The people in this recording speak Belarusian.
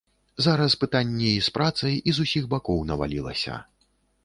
Зараз пытанні і з працай і з усіх бакоў навалілася.